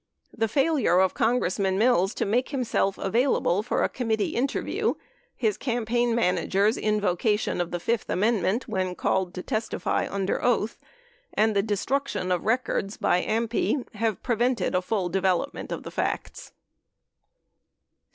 The failure of Congressman Mills to make himself avail able for committee interview, his campaign manager's invocation of the fifth amendment when called to testify under oath, and the destruc tion of records by AMPI have prevented a full development of the facts.